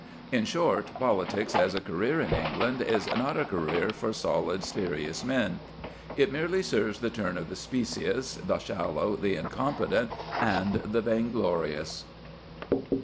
In short, politics as a career in England is not a career for solid, serious men. It merely serves the turn of the specious, the shallow, the incompetent, and the vainglorious.